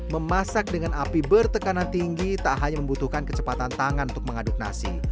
memasak dengan api bertekanan tinggi tak hanya membutuhkan kecepatan tangan untuk mengaduk nasi